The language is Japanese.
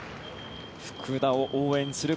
福田を応援する